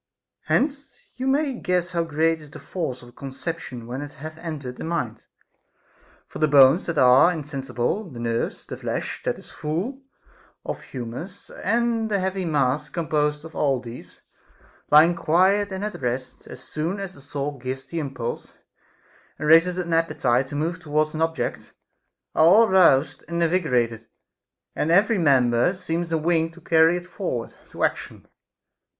Hence you may guess how great is the force of a conception when it hath entered the mind ; for the bones that are insensible, the nerves, the flesh that is full of humors, and the heavy mass composed of all these, lying quiet and at rest, as soon as the soul gives the impulse and raiseth an appetite to move towards any object, are all roused and invigorated, and every member seems a wing to carry it forward to action.